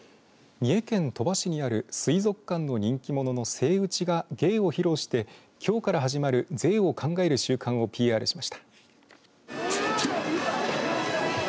三重県鳥羽市にある水族館の人気者のセイウチが芸を披露して、きょうから始まる税を考える週間をＰＲしました。